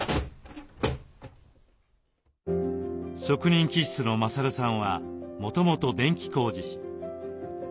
職人気質の勝さんはもともと電気工事士。